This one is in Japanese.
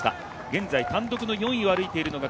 現在単独の４位を歩いているのが